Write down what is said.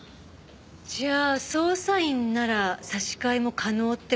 じゃあ捜査員なら差し替えも可能って事ですね？